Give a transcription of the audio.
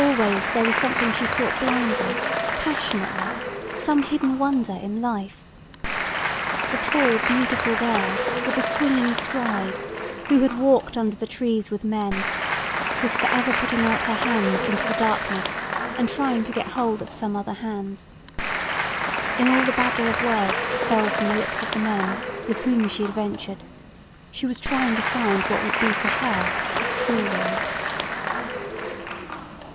Always there was something she sought blindly, passionately, some hidden wonder in life. The tall beautiful girl with the swinging stride who had walked under the trees with men was forever putting out her hand into the darkness and trying to get hold of some other hand. In all the babble of words that fell from the lips of the men with whom she adventured she was trying to find what would be for her the true word.